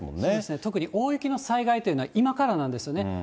特に大雪の災害というのは、今からなんですよね。